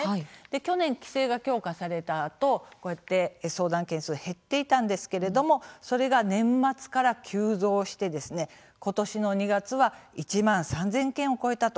去年、規制が強化されたあと相談件数減っていたんですけれどもそれが年末から急増して今年の２月は１万３０００件を超えたと。